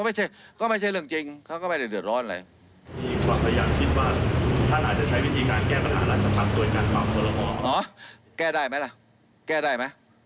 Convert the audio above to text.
อ๋อแก้ได้ไหมล่ะแก้ได้ไหม